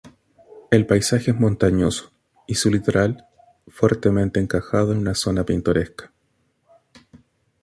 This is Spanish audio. El paisaje es montañoso, y su litoral fuertemente encajado es una zona pintoresca.